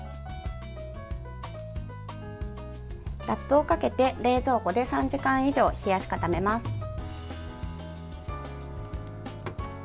ラップをかけて冷蔵庫で３時間以上冷やし固めます。